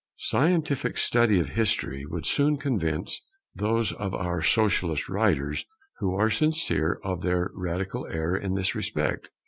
Scientific study of history would soon convince those of our socialist writers who are sincere of their radical error in this respect.